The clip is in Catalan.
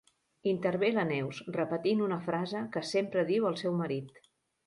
Intervé la Neus repetint una frase que sempre diu el seu marit.